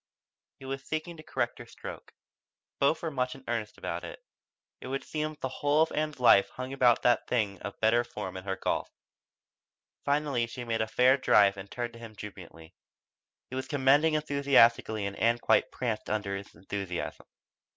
He was seeking to correct her stroke. Both were much in earnest about it. It would seem that the whole of Ann's life hung upon that thing of better form in her golf. Finally she made a fair drive and turned to him jubilantly. He was commending enthusiastically and Ann quite pranced under his enthusiasm.